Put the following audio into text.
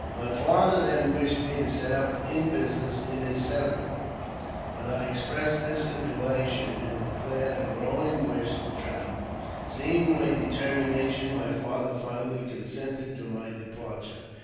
My father then wished me to set up in business in his settlement, but I expressed disinchnation, and declared a growing wish to travel. Seeing my determination, my father finally consented to my depar ture.